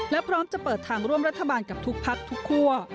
และพร้อมจะเปิดทางร่วมรัฐบาลกับทุกพักทุกคั่ว